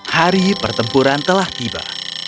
hari pertempuran telah tiba